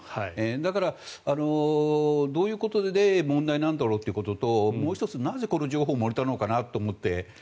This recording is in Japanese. だから、どういうことで問題になるんだろうということともう１つ、なぜこの情報が漏れたのかなと思って。